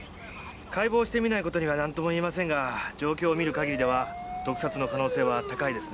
解剖してみないことには何とも言えませんが状況を見る限りでは毒殺の可能性は高いですね。